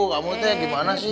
kamu itu gimana sih